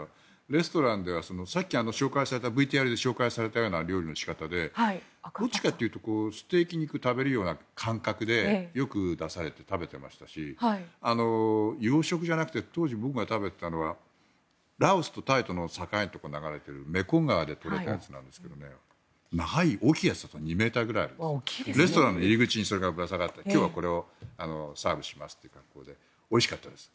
レストランではさっきＶＴＲで紹介されたような料理の仕方でどっちかというとステーキ肉を食べるような感覚でよく出されて食べていましたし洋食じゃなくて当時、僕が食べていたのはラオスとタイとの境のところを流れているメコン川で取れたやつなんですけど大きいやつだと２ｍくらいあってレストランの入り口にそれがぶら下がってて今日はこれをサービスしますということでおいしかったです。